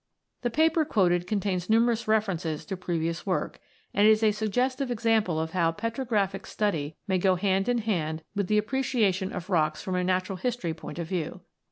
The paper quoted contains numerous references to previous work, and is a suggestive example of how petrographic study may go hand in hand with the appreciation of rocks from a natural history point of view.